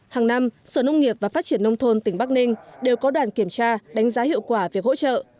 hàng năm sở nông nghiệp và phát triển nông thôn tỉnh bắc ninh đều có đoàn kiểm tra đánh giá hiệu quả việc hỗ trợ